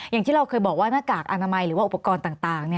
อย่างที่เราเคยบอกว่าหน้ากากอนามัยหรือว่าอุปกรณ์ต่าง